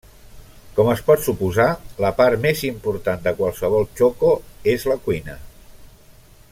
Com es pot suposar la part més important de qualsevol txoko és la cuina.